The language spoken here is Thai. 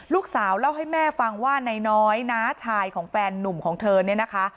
ลูกสาวเล่าให้แม่ฟังว่านายน้อยน้าชายของแฟนนุ่มของเธอเนี่ยนะคะ